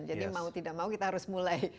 jadi mau tidak mau kita harus mulai